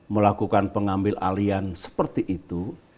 melakukan pengambil alian seperti itu